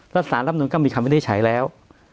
แล้วสารรับนูนก็ไม่ได้ใช้แล้ว